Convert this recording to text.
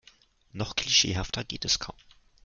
Noch klischeehafter geht es kaum.